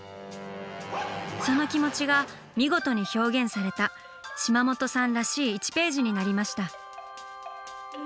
その気持ちが見事に表現された島本さんらしい１ページになりました。